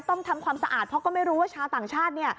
ต้องทำความสะอาดเพราะก็ไม่รู้ว่าชาวต่างชาติ